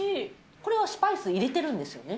これはスパイス入れてるんですよね？